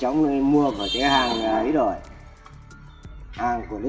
đông trùng này bác mua thì nó còn trong kén